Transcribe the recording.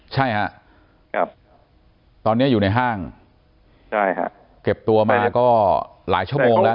ใช่ฮะครับตอนนี้อยู่ในห้างใช่ฮะเก็บตัวมาก็หลายชั่วโมงแล้ว